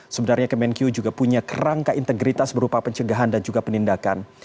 sebenarnya kemenkyu juga punya kerangka integritas berupa pencegahan dan juga penindakan